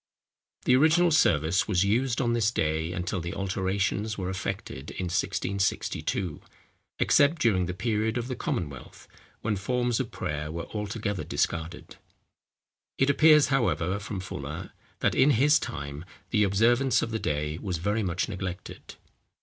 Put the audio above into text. The original service was used on this day until the alterations were effected in 1662, except during the period of the Commonwealth, when forms of prayer were altogether discarded. It appears, however, from Fuller, that in his time, the observance of the day was very much neglected.